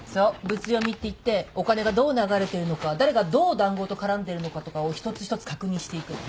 ブツ読みっていってお金がどう流れてるのか誰がどう談合と絡んでるのかとかを一つ一つ確認していくの。